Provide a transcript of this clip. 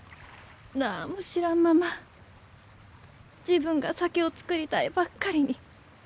何も知らんまま自分が酒を造りたいばっかりに。